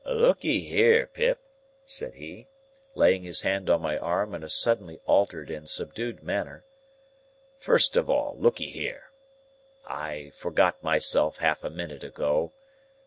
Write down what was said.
"Look'ee here, Pip," said he, laying his hand on my arm in a suddenly altered and subdued manner; "first of all, look'ee here. I forgot myself half a minute ago.